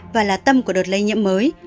và là tâm của đợt lây nhiễm mới